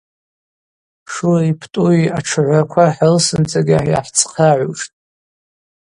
Шури Птӏуи атшыгӏвраква хӏрылсындзыкӏьа йгӏахӏцхърагӏуштӏ.